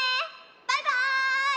バイバーイ！